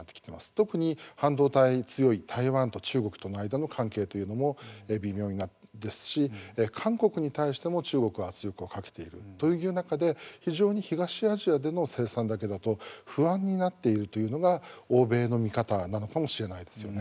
特に半導体に強い台湾と中国との間の関係というのも微妙ですし韓国に対しても、中国は圧力をかけているという中で非常に東アジアでの生産だけだと不安になっているというのが欧米の見方なのかもしれないですよね。